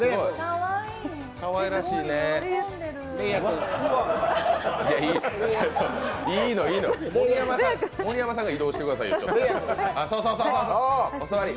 レイアくんいいの、いいの、盛山さんが移動してくださいよ。